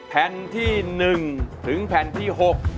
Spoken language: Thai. แผ่นที่๑ถึงแผ่นที่๖